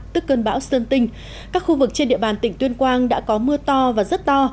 tức cơn bão sơn tinh các khu vực trên địa bàn tỉnh tuyên quang đã có mưa to và rất to